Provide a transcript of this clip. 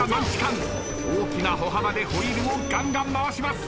大きな歩幅でホイールをがんがん回します。